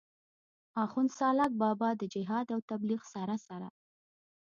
آخون سالاک بابا د جهاد او تبليغ سره سره